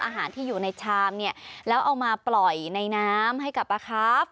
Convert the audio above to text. อาหารที่อยู่ในชามเนี่ยแล้วเอามาปล่อยในน้ำให้กับปลาครับ